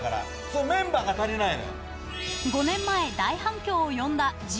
メンバーが足りないの。